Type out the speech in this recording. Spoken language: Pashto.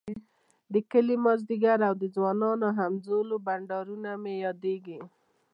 د کلي ماذيګر او د ځوانانو همزولو بنډارونه مي ياديږی